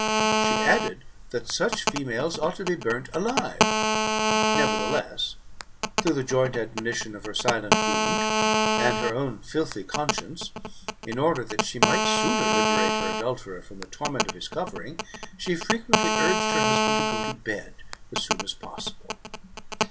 She added, that such females ought to be burnt alive. Nevertheless, through the joint admo nitions of her silent wound, and her own filthy conscience, in order that she might sooner liberate her adulterer from the torment of his covering, she frequently urged her husband to go to bed as soon as possible.